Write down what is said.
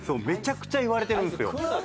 めちゃくちゃ言われてるんですよ